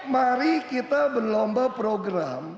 mari kita berlomba program